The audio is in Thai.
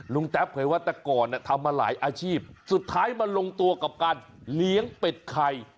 แต๊บเผยว่าแต่ก่อนทำมาหลายอาชีพสุดท้ายมันลงตัวกับการเลี้ยงเป็ดไข่